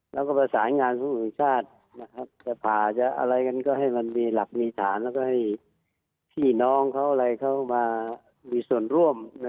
แล้วก็ประสานงานสูงสุดชาติจะผ่าจะอะไรกันก็ให้มันมีหลักมีฐานแล้วก็ให้พี่น้องเขาอะไรเขามามีส่วนร่วม